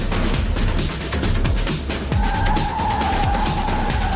เทเลยครับ